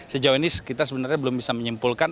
sejauh ini kita sebenarnya belum bisa menyimpulkan